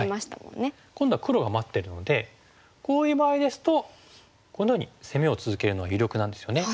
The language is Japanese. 今度は黒が待ってるのでこういう場合ですとこのように攻めを続けるのが有力なんですよね。